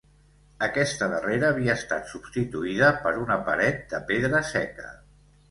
Aquesta darrera havia estat substituïda per una paret de pedra seca.